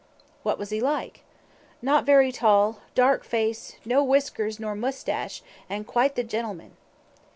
"What was he like?" "Not very tall, dark face, no whiskers nor moustache, an' quite the gentleman."